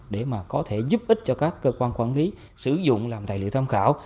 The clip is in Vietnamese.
để mà có thể giúp ích cho các cơ quan quản lý sử dụng làm tài liệu tham khảo